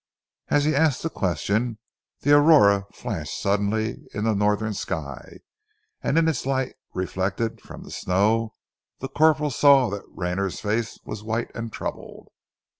As he asked the question the aurora flashed suddenly in the Northern sky, and in its light reflected from the snow the corporal saw that Rayner's face was white and troubled.